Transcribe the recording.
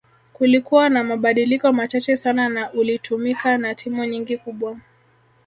Kulikua na mabadiliko machache sana na ulitumika na timu nyingi kubwa